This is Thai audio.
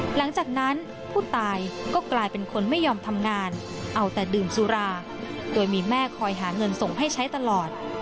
หลังจากนั้นผู้ตายก็กลายเป็นคนไม่ยอมทำงานเอาแต่ดื่มสุราโดยมีแม่คอยหาเงินส่งให้ใช้ตลอด